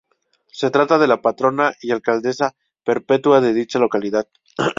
Se trata de la patrona y alcaldesa perpetua de dicha localidad.